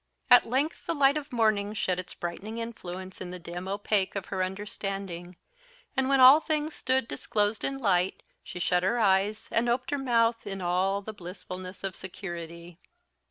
At length the light of morning shed its brightening influence on the dim opaque of her understanding; and when all things stood disclosed in light, she shut her eyes and oped her mouth in all the blissfulness of security.